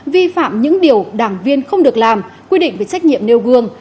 vi phạm những điều đảng viên không được làm quy định về trách nhiệm nêu gương